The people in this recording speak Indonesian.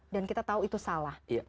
dan kita tahu itu salah